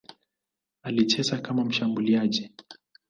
Alicheza kama mshambuliaji.